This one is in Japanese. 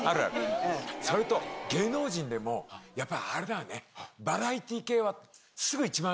それと芸能人でも、やっぱりあれだよね、バラエティー系はすぐ１万円